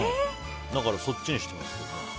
だから、そっちにしてます。